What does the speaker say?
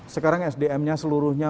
sekarang sdm nya seluruhnya